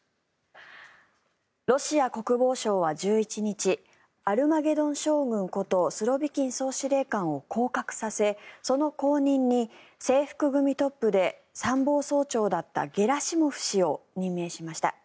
ロシア国防省は１１日アルマゲドン将軍ことスロビキン総司令官を降格させその後任に制服組トップで参謀総長だったゲラシモフ氏を任命しました。